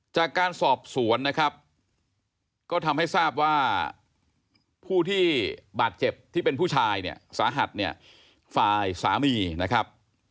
จากการสอบสวนนะครับก็ทำให้ทราบว่าผู้ที่บาดเจ็บที่เป็นผู้ชายเนี่ยสาหัสเนี่ยฝ่ายสามีนะครับ